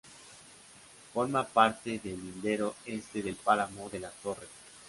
Forma parte de el lindero este del páramo de Las Torres.